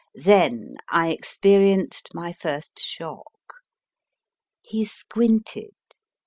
Then I experienced my first shock he squinted